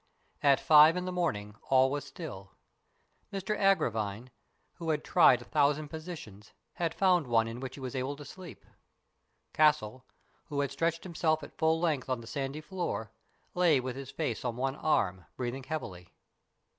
At five in the morning all was still. Mr Agravine, who had tried a thousand positions, had found one in which he was able to sleep. Castle, who had stretched himself at full length on the sandy floor, lay with his face on one arm, breathing heavily.